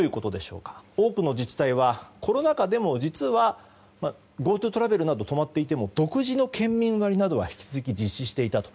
多くの自治体はコロナ禍でも実はＧｏＴｏトラベルなどで泊まっていても独自の県民割などは引き続き実施していたと。